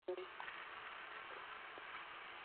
Juma hakupendi na hana haja na wewe